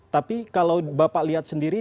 tapi kalau bapak lihat sendiri